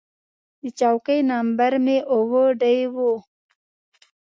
د چوکۍ نمبر مې اووه ډي و.